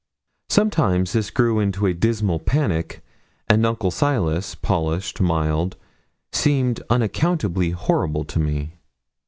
Sometimes this grew into a dismal panic, and Uncle Silas polished, mild seemed unaccountably horrible to me.